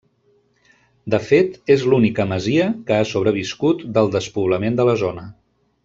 De fet, és l'única masia que ha sobreviscut del despoblament de la zona.